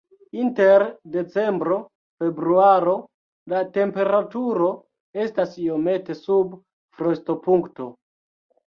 Inter decembro-februaro la temperaturo estas iomete sub frostopunkto.